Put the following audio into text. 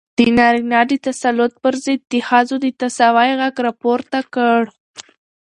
د نارينه د تسلط پر ضد د ښځو د تساوۍ غږ راپورته کړ.